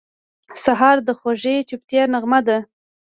سهار د خوږې چوپتیا نغمه ده.